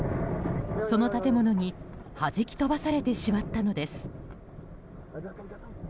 その建物にはじき飛ばされてしまったのです。